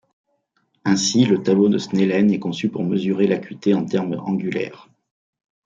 Ainsi, le tableau de Snellen est conçu pour mesurer l'acuité en termes angulaires.